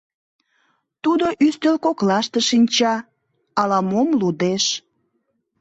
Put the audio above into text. Тудо ӱстел коклаште шинча, ала-мом лудеш.